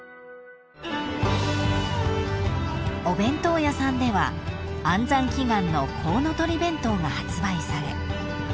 ［お弁当屋さんでは安産祈願のコウノトリ弁当が発売されさらに］